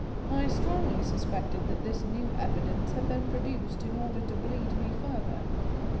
I strongly suspected that this new evidence had been produced in order to bleed me further.